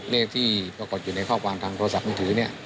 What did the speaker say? เลขที่ปรากฏอยู่ในข้อความทางโทรศัพท์มือถือเนี่ย